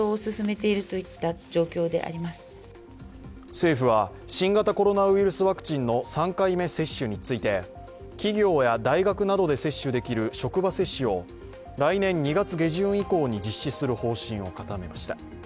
政府は新型コロナウイルスワクチンの３回目接種について企業や大学などで接種できる職場接種を来年２月下旬以降に実施する方針を固めました。